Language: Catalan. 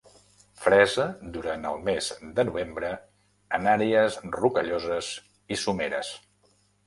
Fresa durant el mes de novembre en àrees rocalloses i someres.